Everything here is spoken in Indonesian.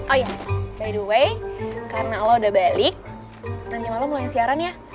oh ya by the way karena lo udah balik nanti malam lo yang siaran ya